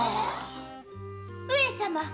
上様